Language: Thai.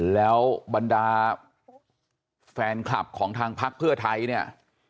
แล้วบรรดาแฟนคลับของทางพักเพื่อไทยเนี่ย